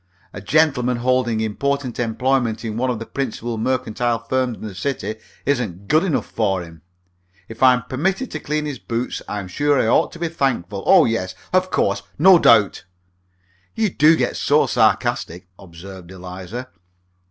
A gentleman holding important employment in one of the principal mercantile firms in the city isn't good enough for him. If I'm permitted to clean his boots I'm sure I ought to be thankful. Oh, yes! Of course! No doubt!" "You do get so sarcastic," observed Eliza.